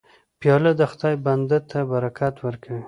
پیاله د خدای بنده ته برکت ورکوي.